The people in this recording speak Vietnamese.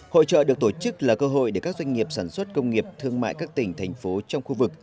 hội trợ được tổ chức là cơ hội để các doanh nghiệp sản xuất công nghiệp thương mại các tỉnh thành phố trong khu vực